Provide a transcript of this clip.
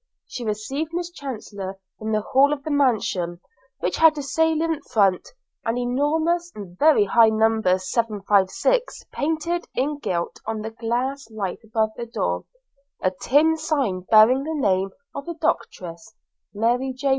She received Miss Chancellor in the hall of the mansion, which had a salient front, an enormous and very high number 756 painted in gilt on the glass light above the door, a tin sign bearing the name of a doctress (Mary J.